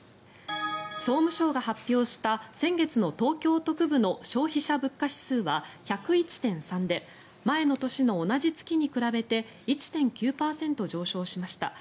総務省が発表した先月の東京都区部の消費者物価指数は１０１．３で前の年の同じ月に比べて１．９％上昇しました。